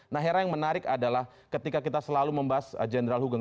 nah heran yang menarik adalah ketika kita selalu membahas general hugen